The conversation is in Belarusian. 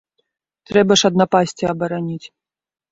Трэба ж ад напасці абараніць.